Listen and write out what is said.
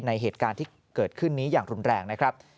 เหตุการณ์ที่เกิดขึ้นนี้อย่างรุนแรงนะครับ